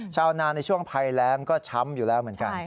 ชาวนาในช่วงภัยแรงก็ช้ำอยู่แล้วเหมือนกัน